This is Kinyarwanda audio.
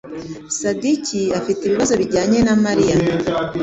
Sadiki afite ibibazo bijyanye na Mariya.